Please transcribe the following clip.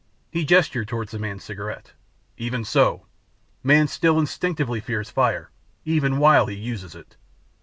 He gestured toward the man's cigarette, "Even so, man still instinctively fears fire even while he uses it.